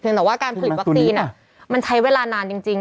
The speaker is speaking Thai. แต่ว่าการผลิตวัคซีนมันใช้เวลานานจริง